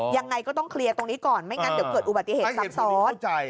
ยังไงก็ต้องเคลียร์ตรงนี้ก่อนไม่งั้นเดี๋ยวเกิดอุบัติเหตุซ้ำซ้อน